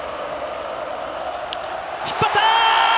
引っ張った！